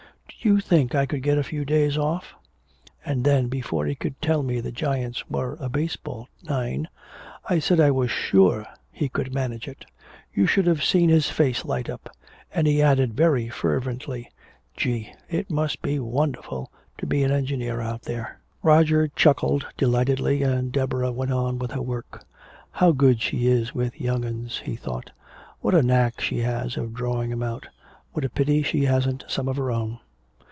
Do you think I could get a few days off?' And then before he could tell me the Giants were a baseball nine, I said I was sure he could manage it. You should have seen his face light up. And he added very fervently, 'Gee, it must be wonderful to be an engineer out there!'" Roger chuckled delightedly and Deborah went on with her work. "How good she is with young uns," he thought. "What a knack she has of drawing 'em out. What a pity she hasn't some of her own."